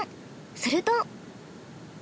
すると。